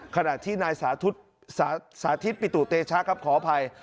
ขณะที่สาธิตปิตูเตชะขออภัย